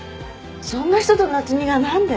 そんな人と夏海が何で？